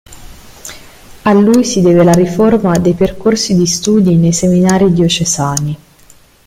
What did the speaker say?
A lui si deve la riforma dei percorsi di studio nei seminari diocesani.